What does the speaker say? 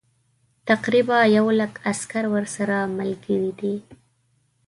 تقریبا یو لک عسکر ورسره ملګري دي.